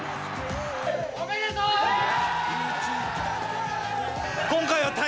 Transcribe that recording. おめでとー！！